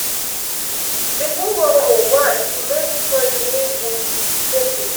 Before World War One, he lived for a year in Dieppe.